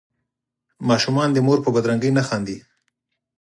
ماشومان د مور په بدرنګۍ نه خاندي.